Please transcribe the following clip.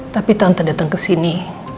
tapi tante datang kesini